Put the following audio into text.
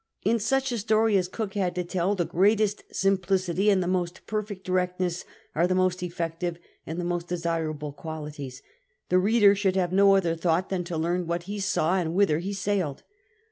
In such a story as Cook had to tell, the greatest sim plicity and the most perfect directness are the most effective and the most desirable qualities. The reader should have no other thought than to learn what he saw and whither he sailed.